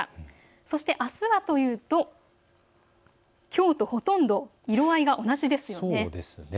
そしてあすはというときょうとほとんど色合いが同じです。